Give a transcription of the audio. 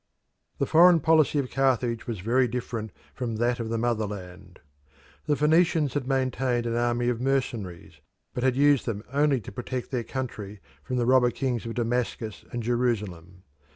The foreign policy of Carthage was very different from that of the motherland. The Phoenicians had maintained an army of mercenaries, but had used them only to protect their country from the robber kings of Damascus and Jerusalem.